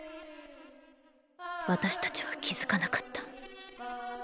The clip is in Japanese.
私たちは気付かなかった。